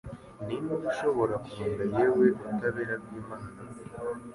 Ninde ushobora kurunda yewe butabera bw'Imana